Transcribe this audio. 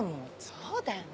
そうだよね。